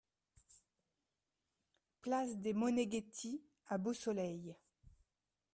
Place des Moneghetti à Beausoleil